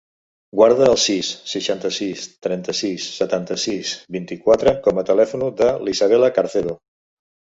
Guarda el sis, seixanta-sis, trenta-sis, setanta-sis, vint-i-quatre com a telèfon de l'Isabella Carcedo.